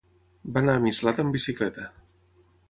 Va anar a Mislata amb bicicleta.